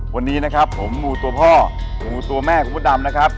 วันนี้นะครับผมหมูตัวพ่อหมูตัวแม่คุณพระดำนะครับ